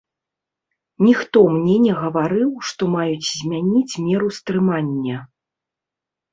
Ніхто мне не гаварыў, што маюць змяніць меру стрымання.